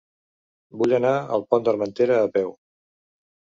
Vull anar al Pont d'Armentera a peu.